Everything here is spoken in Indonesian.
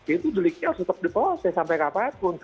itu deliknya harus tetap diproses sampai ke apa pun